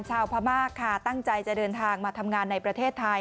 ชาวพม่าค่ะตั้งใจจะเดินทางมาทำงานในประเทศไทย